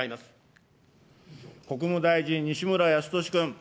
国務大臣、西村康稔君。